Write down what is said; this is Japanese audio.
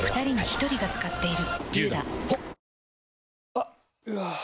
あっ、うわー。